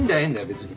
別に。